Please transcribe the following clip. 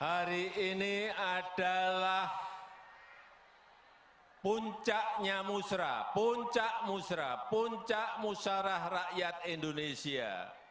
hari ini adalah puncaknya musrah puncak musrah puncak musarah rakyat indonesia